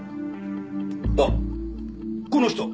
あっこの人。